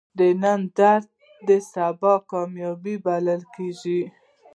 د نن درد د سبا کامیابی بلل کېږي.